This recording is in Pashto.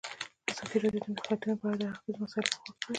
ازادي راډیو د اقلیتونه په اړه د هر اړخیزو مسایلو پوښښ کړی.